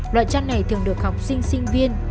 loại chăn này thường được học sinh sinh viên